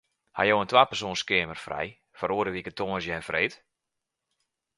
Ha jo in twapersoans keamer frij foar oare wike tongersdei en freed?